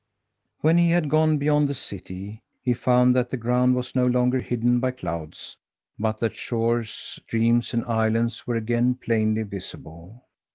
When he had gone beyond the city, he found that the ground was no longer hidden by clouds, but that shores, streams, and islands were again plainly visible.